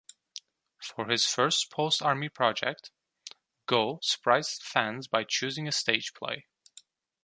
For his first post-army project, Go surprised fans by choosing a stage play.